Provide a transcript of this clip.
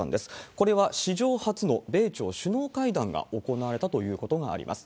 これは史上初の米朝首脳会談が行われたということがあります。